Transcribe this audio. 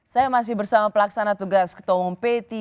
saya masih bersama pelaksana tugas ketua umum p tiga